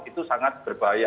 itu sangat berbahaya